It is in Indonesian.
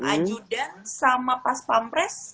ajudan sama paspampres